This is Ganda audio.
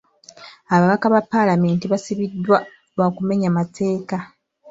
Ababaka ba paalamenti baasibiddwa lwa kumenya mateeka.